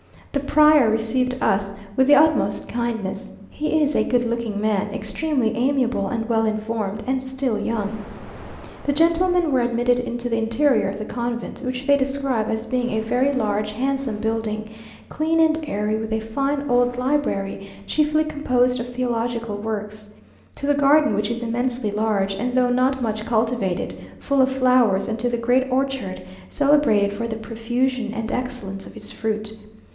The prior received us with the utmost kindness: he is a good looking man, extremely amiable and well informed, and still young. The gentlemen were admitted into the interior of the convent, which they describe as being a very large handsome building, clean and airy, with a fine old library, chiefly composed of theological works; to the garden, which is immensely large, and though not much cultivated, full of flowers; and to the great orchard, celebrated for the profusion and excellence of its fruit.